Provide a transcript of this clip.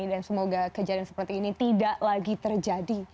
dan semoga kejadian seperti ini tidak lagi terjadi